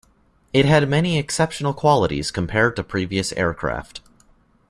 It had many exceptional qualities compared to previous aircraft.